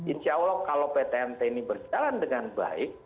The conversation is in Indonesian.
insya allah kalau pt mt ini berjalan dengan baik